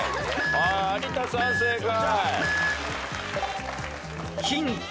有田さん正解。